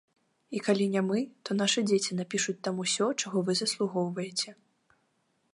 І калі не мы, то нашы дзеці напішуць там усё, чаго вы заслугоўваеце.